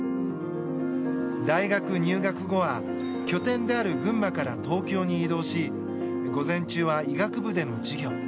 大学入学後は拠点である群馬から東京に移動し午前中は医学部での授業。